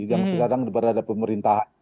yang sekarang berada di pemerintahan